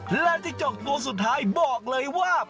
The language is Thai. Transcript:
และจิ้งจกตัวสุดท้ายบอกเลยว่า